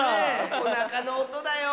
おなかのおとだよ。